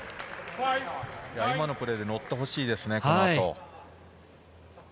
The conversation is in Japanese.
今のプレーで乗ってほしいですね、この後。